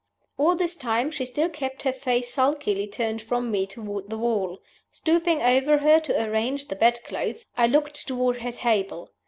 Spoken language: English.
All this time she still kept her face sulkily turned from me toward the wall. Stooping over her to arrange the bedclothes, I looked toward her table.